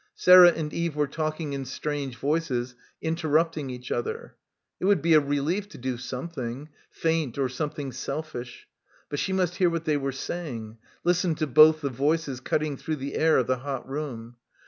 Sarah and Eve were talking in strange voices, interrupting each other. It would be a relief to do something, faint or something selfish. But she must hear what they were say ing; listen to both the voices cutting through the air of the hot room.